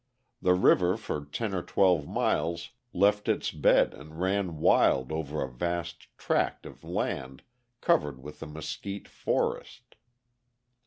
The river for ten or twelve miles left its bed and ran wild over a vast tract of land covered with a mesquite forest.